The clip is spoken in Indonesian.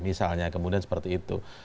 misalnya kemudian seperti itu